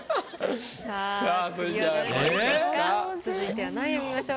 さぁ次は続いては何位を見ましょうか？